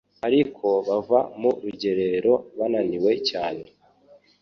Ariko bava mu rugerero bananiwe cyane